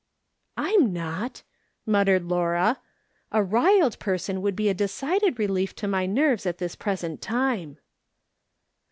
" I'm not," muttered Laura ;" a ' riled' person would be a decided relief to my nerves at this pre sent time."